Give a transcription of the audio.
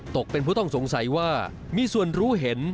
ตกเป็นผู้ต้องสงสัยว่ามีส่วนรู้เห็น